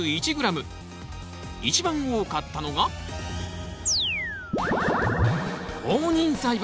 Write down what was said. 一番多かったのが放任栽培！